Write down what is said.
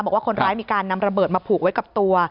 บอกว่าคนร้ายมีการนำระเบิดมาผูกไว้กับตัว